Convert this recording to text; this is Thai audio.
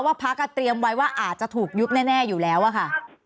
พักเตรียมไว้ว่าอาจจะถูกยุบแน่อยู่แล้วอะค่ะ